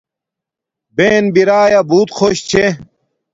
بہن بیرایا بوت خوش چھے